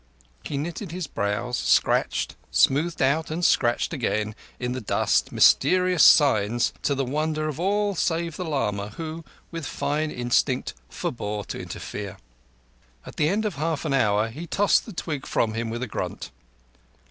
He knitted his brows, scratched, smoothed out, and scratched again in the dust mysterious signs—to the wonder of all save the lama, who, with fine instinct, forbore to interfere. At the end of half an hour, he tossed the twig from him with a grunt.